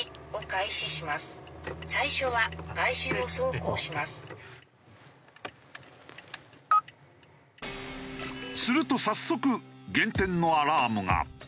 果たしてすると早速減点のアラームが。